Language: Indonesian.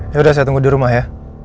yaudah saya tunggu di rumah ya